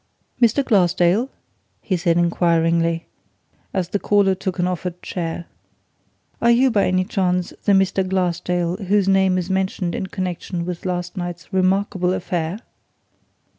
"Mr. Glassdale?" he said inquiringly, as the caller took an offered chair. "Are you, by any chance, the Mr. Glassdale whose name is mentioned in connection with last night's remarkable affair?"